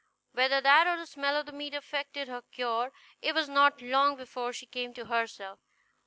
Whether that or the smell of the meat effected her cure, it was not long before she came to herself.